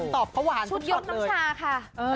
ก็ได้ชุดยกน้ำชาค่ะ